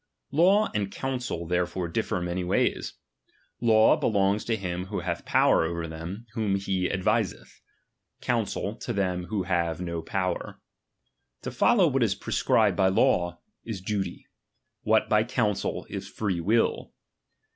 Law and counsel therefore differ many ways. Law belongs to him who hath power over them whom he adviseth ; counsel to them who have uo power. To follow what is prescribed by law, is duty ; what by counsel, is free will.